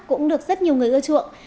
cũng được rất nhiều người ưa chuộng